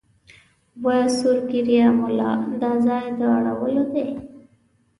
وه سور ږیریه مولا دا ځای د اړولو دی